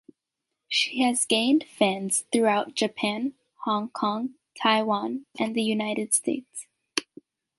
She has gained fans throughout Japan, Hong Kong, Taiwan, and the United States.